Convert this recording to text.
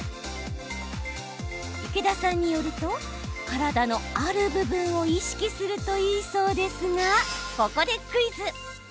池田さんによると体のある部分を意識するといいそうですが、ここでクイズ。